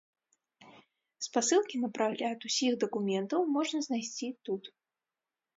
Спасылкі на прагляд усіх дакументаў можна знайсці тут.